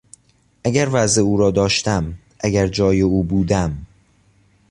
اگر وضع او را داشتم، اگر جای او بودم.